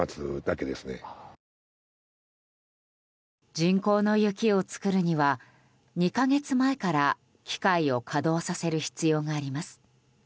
人工の雪をつくるには２か月前から機械を稼働させる必要があります。